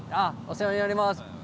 お世話になります。